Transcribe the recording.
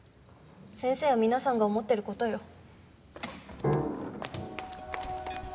先生や皆さんが思ってる事よ。